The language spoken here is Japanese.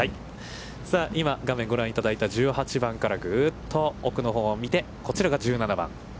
さあ、今画面ご覧いただいた１８番からぐうっと奥のほうを見て、こちらが１７番。